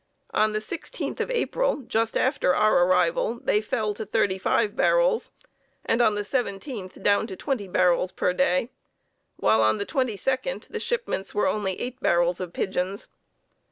On the 16th of April, just after our arrival, they fell to thirty five barrels, and on the 17th down to twenty barrels per day, while on the 22d the shipments were only eight barrels of pigeons.